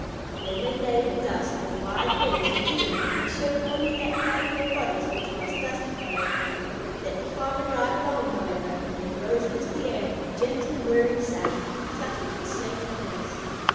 When they lay in the dust their wide wings were hidden and they showed only that part of their bodies which was dust color. Let the farmer drive along, however, and they rose into the air with a gentle, whirring sound and fluttered to a safe place.